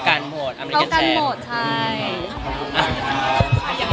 กลางคาวไหี้ไห้ต่างคนต่างจ่าย